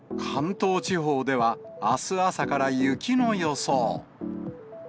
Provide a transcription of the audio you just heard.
関東地方ではあす朝から雪の予想。